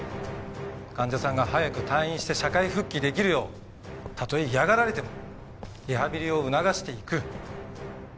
患者さんが早く退院して社会復帰出来るようたとえ嫌がられてもリハビリを促していく。